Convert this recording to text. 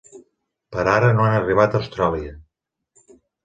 Per ara no han arribat a Austràlia.